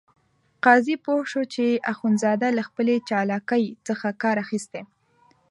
قاضي پوه شو چې اخندزاده له خپلې چالاکۍ څخه کار اخیستی.